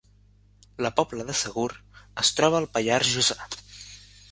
La Pobla de Segur es troba al Pallars Jussà